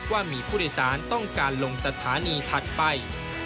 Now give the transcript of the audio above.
ว่ามีผู้โดยสารต้องการลงสถานีถัดไป